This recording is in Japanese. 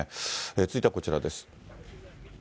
続いてはこちらです。